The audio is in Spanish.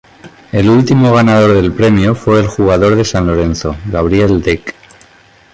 El último ganador del premio fue el jugador de San Lorenzo, Gabriel Deck.